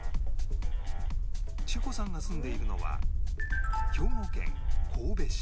千穂さんが住んでいるのは兵庫県神戸市